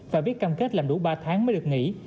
phải biết cầm kết làm đủ ba tháng mới được nghỉ